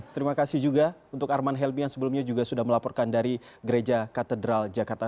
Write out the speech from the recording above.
terima kasih juga untuk arman helmi yang sebelumnya juga sudah melaporkan dari gereja katedral jakarta